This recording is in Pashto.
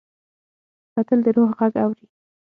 کتل د روح غږ اوري